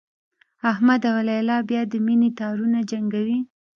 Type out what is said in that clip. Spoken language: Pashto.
احمد او لیلا بیا د مینې تارونه جنګوي